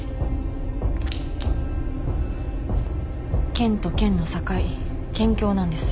県と県の境県境なんです。